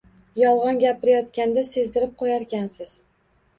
Yolg`on gapirayotganda sezdirib qo`yarkansiz